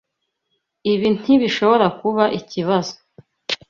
Ibi ntibishobora kuba ikibazo.